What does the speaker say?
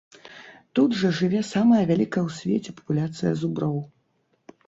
Тут жа жыве самая вялікая ў свеце папуляцыя зуброў.